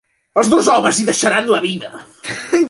Els dos homes hi deixaran la vida.